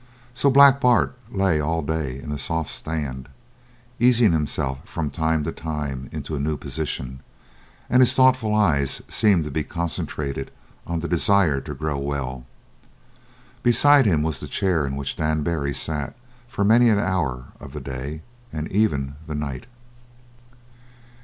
So Black Bart lay all day in the soft sand, easing himself from time to time into a new position, and his thoughtful eyes seemed to be concentrated on the desire to grow well. Beside him was the chair in which Dan Barry sat for many an hour of the day and even the night.